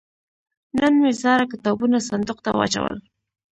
نن مې زاړه کتابونه صندوق ته واچول.